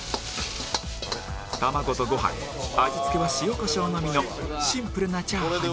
玉子とご飯味付けは塩コショウのみのシンプルなチャーハンに